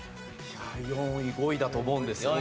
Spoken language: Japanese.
４位５位だと思うんですけど。